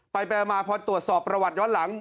ไปมาพอตรวจสอบประวัติย้อนหลัง